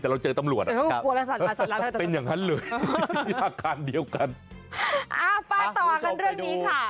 แต่เราเจอตำรวจอ่ะเป็นอย่างนั้นเลยอาการเดียวกันอ้าวไปต่อกันเรื่องนี้ค่ะ